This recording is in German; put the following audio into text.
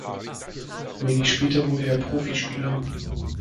Wenig später wurde er Profispieler.